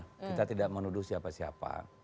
kita tidak menuduh siapa siapa